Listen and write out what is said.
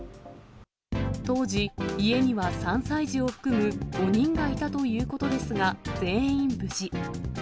当時、家には３歳児を含む５人がいたということですが、全員無事。